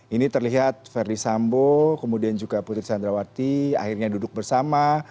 ini terlihat verdi sambo kemudian juga putri candrawati akhirnya duduk bersama